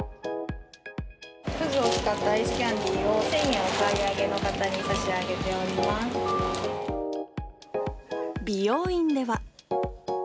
くずを使ったアイスキャンディーを、１０００円お買い上げの美容院では。